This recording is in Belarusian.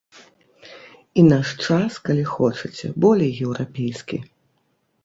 І наш час, калі хочаце, болей еўрапейскі.